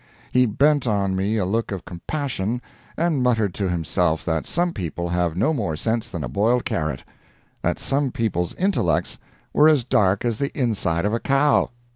He bent on me a look of compassion, and muttered to himself that some people have no more sense than a boiled carrot—that some people's intellects were as dark as the inside of a cow.